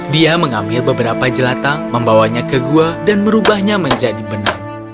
dia mengambil beberapa jelatang membawanya ke gua dan merubahnya menjadi benang